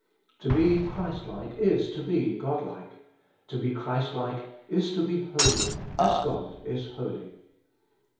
To be Christlike is to be Godlike ; to be Christlike is to be holy as God is holy.